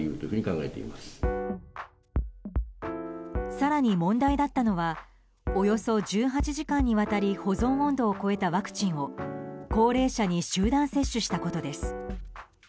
更に問題だったのはおよそ１８時間にわたり保存温度を超えたワクチンを高齢者に集団接種したことです。